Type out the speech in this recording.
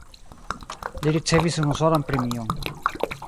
Li ricevis unusolan premion.